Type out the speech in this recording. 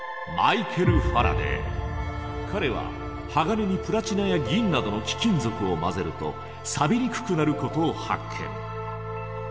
彼は鋼にプラチナや銀などの貴金属を混ぜるとサビにくくなることを発見。